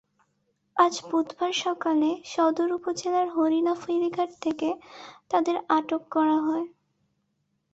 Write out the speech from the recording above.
আজ বুধবার সকালে সদর উপজেলার হরিণা ফেরিঘাট থেকে তাঁদের আটক করা হয়।